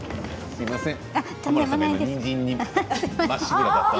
すみません。